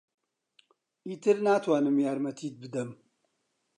ئیتر ناتوانم یارمەتیت بدەم.